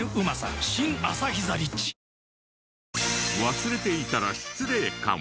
忘れていたら失礼かも。